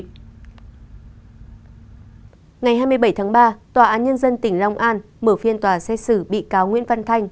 ngày hai mươi bảy tháng ba tòa án nhân dân tỉnh long an mở phiên tòa xét xử bị cáo nguyễn văn thanh